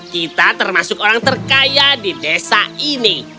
kita termasuk orang terkaya di desa ini